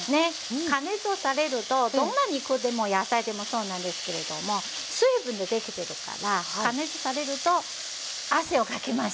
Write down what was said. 加熱をされるとどんな肉でも野菜でもそうなんですけれども水分が出てくるから加熱されると汗をかきます。